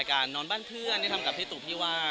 จากบ้านเพื่อนทำกับภิตุพี่ว่าน